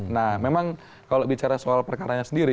nah memang kalau bicara soal perkaranya sendiri